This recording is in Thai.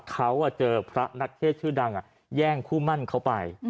เขาเจอพระนักเทศชื่อดังแย่งคู่มั่นเขาไป